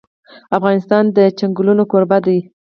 افغانستان د چنګلونه کوربه دی.